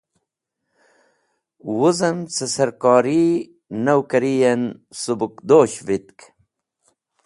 Wuzem ce Sarkori Noukariyen Subukdosh Witk